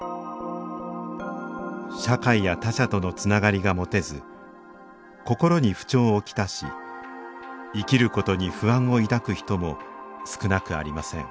社会や他者とのつながりが持てずこころに不調を来し生きることに不安を抱く人も少なくありません